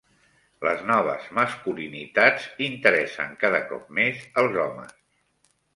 Les noves masculinitats interessen cada cop més als homes.